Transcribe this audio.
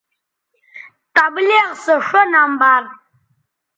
تبلیغ سو ݜو نمبر